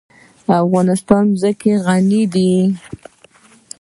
افغانستان په ځمکه غني دی.